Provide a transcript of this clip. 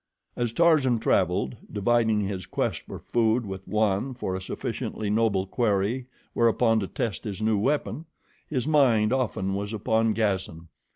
As Tarzan traveled, dividing his quest for food with one for a sufficiently noble quarry whereupon to test his new weapon, his mind often was upon Gazan.